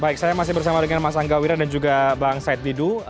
baik saya masih bersama dengan mas angga wira dan juga bang said didu